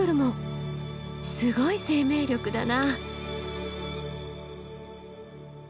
すごい生命力だな。